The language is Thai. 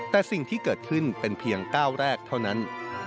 แต่สิ่งที่เกิดขึ้นเป็นเพียงก้าวแรกเท่านั้น